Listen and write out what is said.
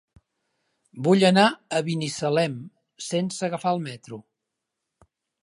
Vull anar a Binissalem sense agafar el metro.